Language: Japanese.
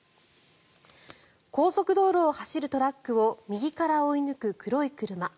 高速道路を走るトラックを右から追い抜く黒い車。